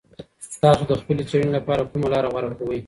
تاسو د خپلې څېړني لپاره کومه لاره غوره کوئ؟